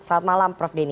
selamat malam prof deni